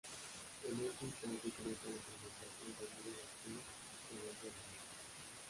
En este instante comienza la fermentación debido a la acción de las levaduras.